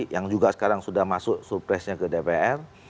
yang juga sekarang sudah masuk surprise nya ke dpr